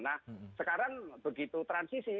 nah sekarang begitu transisi